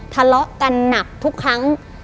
ทะเลาะกันหนักทุกครั้ง